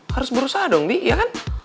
harus berusaha dong bi iya kan